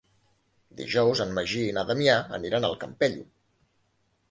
Dijous en Magí i na Damià aniran al Campello.